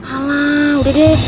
alah udah deh